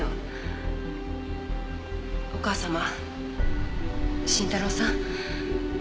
お義母様慎太郎さん